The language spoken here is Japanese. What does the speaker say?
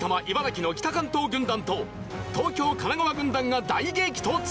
茨城の北関東軍団と東京・神奈川軍団が大激突！